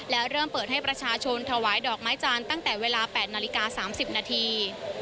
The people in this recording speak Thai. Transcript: และเริ่มเปิดให้ประชาชนถวายดอกไม้จานตั้งแต่เวลา๘นาฬิกา๓๐นาที